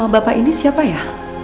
bapak ini siapa ya